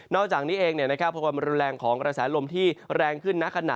นอกจากนี้เองเนี่ยนะครับพวกมันมรสแรงของกระแซลมที่แรงขึ้นณขนาดนี้